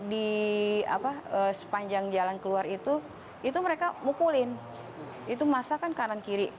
di apa sepanjang jalan keluar itu itu mereka mukulin itu masa kan kanan kiri